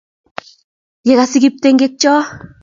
ye kasik kiptengekyo